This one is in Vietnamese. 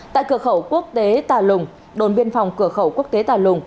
tại cửa khẩu quốc tế tà lùng đồn biên phòng cửa khẩu quốc tế tà lùng